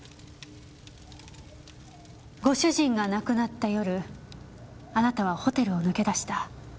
ご主人が亡くなった夜あなたはホテルを抜け出した。